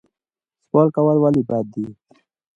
سوال کول ولې بد دي؟